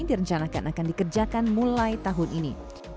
direncanakan akan dikerjakan mulai tahun ini